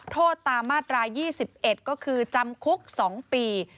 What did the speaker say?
โทษตามมาตรา๒๑ก็คือจำคุก๒ปี